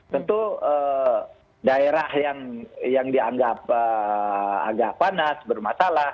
tentu daerah yang dianggap agak panas bermasalah